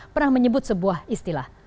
pernah menyebut sebuah istilah